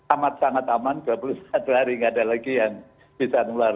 amat sangat aman dua puluh satu hari tidak ada lagi yang bisa menular